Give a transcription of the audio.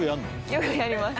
よくやります。